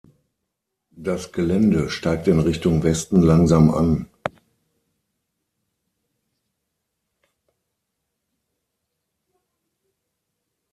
Das Gelände steigt in Richtung Westen langsam an.